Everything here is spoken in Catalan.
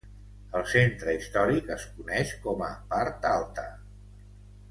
El centre històric es coneix com a "Part Alta".